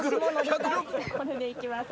これでいきます